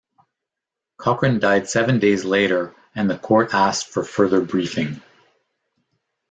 Cochran died seven days later and the court asked for further briefing.